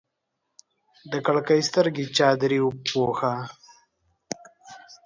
د کړکۍ سترګې چادرې پوښه